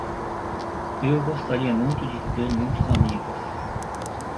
Eu gostaria muito de ter muitos amigos